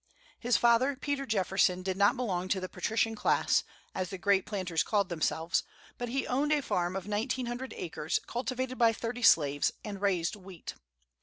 His father, Peter Jefferson, did not belong to the patrician class, as the great planters called themselves, but he owned a farm of nineteen hundred acres, cultivated by thirty slaves, and raised wheat.